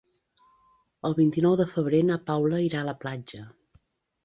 El vint-i-nou de febrer na Paula irà a la platja.